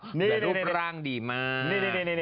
แต่รูปร่างดีมาก